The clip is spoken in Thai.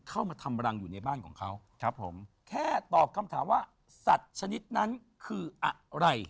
เข้ามาทำรังอยู่ในบ้านของเขาครับผมแค่ตอบคำถามว่าสัตว์ชนิดนั้นคืออะไร